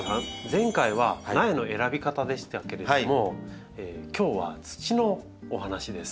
前回は苗の選び方でしたけれども今日は土のお話です。